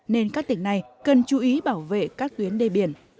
nên các tỉnh này cần chú ý bảo vệ các tuyến đê biển